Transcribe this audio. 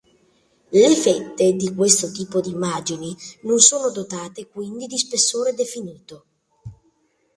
Le "fette" di questo tipo di immagini non sono dotate quindi di spessore definito.